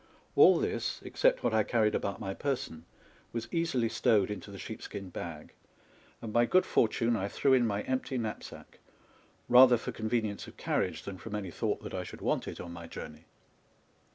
All this, except what I carried about my person, was easily stowed into the sheepskin bag ; and by good fortune I threw in my empty knapsack, rather for convenience of car riage than from any thought tliat I should want it on my journey.